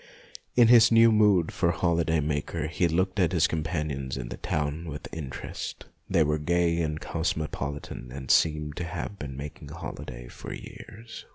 In his new mood of holiday maker he looked at his companions in the town with interest. They were gay and cosmo politan, and seemed to have been making holiday for years.